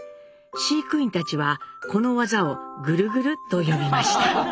飼育員たちはこの技を「グルグル」と呼びました。